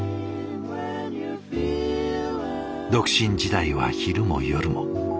独身時代は昼も夜も。